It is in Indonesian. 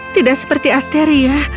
tidak seperti asteria